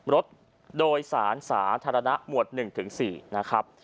รถโดยสารสาธารณะหมวด๑๔นะครับ